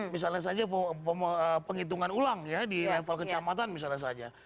misalnya saja penghitungan ulang ya di level kecamatan misalnya saja